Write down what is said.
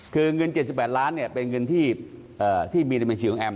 คือเงิน๗๘ล้านเป็นเงินที่มีในบัญชีของแอม